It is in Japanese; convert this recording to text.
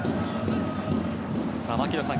槙野さん